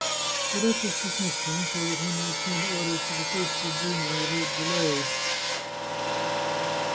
The duchess dismissed him, so that he might send orders to the faithful Bruno without delay.